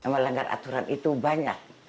melanggar aturan itu banyak